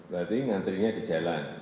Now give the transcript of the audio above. berarti ngantrinya di jalan